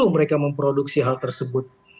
mereka memproduksi hal tersebut